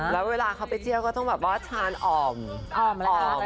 แล้วเวลาเขาไปเจอก็ต้องว่าชามอ่อม